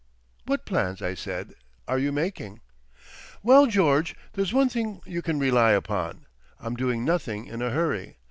"What plans," I said, "are you making?" "Well, George, there's one thing you can rely upon, I'm doing nothing in a hurry.